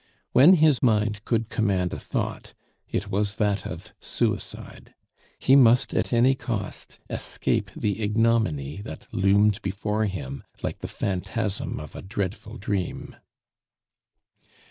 When his mind could command a thought, it was that of suicide. He must, at any cost, escape the ignominy that loomed before him like the phantasm of a dreadful dream.